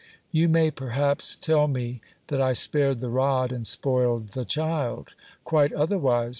You may perhaps tell me, that I spared the rod and spoiled the child. Quite otherwise